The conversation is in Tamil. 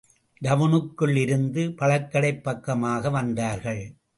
டவுனுக்குள் இருந்த பழக்கடை பக்கமாக வந்தார்கள்.